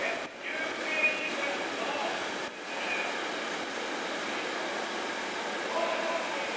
休憩時間のお昼ごはん。